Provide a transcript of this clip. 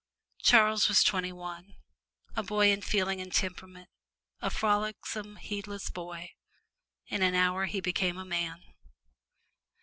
Charles was twenty one a boy in feeling and temperament, a frolicsome, heedless boy. In an hour he had become a man.